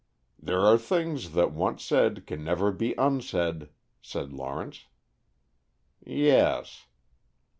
"There are things that once said can never be unsaid," said Lawrence. "Yes."